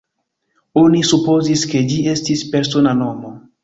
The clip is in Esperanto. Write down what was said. Oni supozis, ke ĝi estis persona nomo.